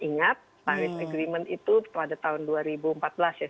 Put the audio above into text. ingat paris agreement itu pada tahun dua ribu empat belas ya